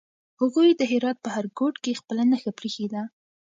هغوی د هرات په هر ګوټ کې خپله نښه پرېښې ده.